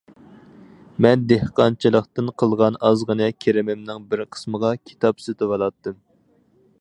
مەن دېھقانچىلىقتىن قىلغان ئازغىنە كىرىمىمنىڭ بىر قىسمىغا كىتاب سېتىۋالاتتىم.